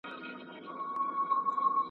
دا شعر چه سړی هر څومره اوږدواوږدوي .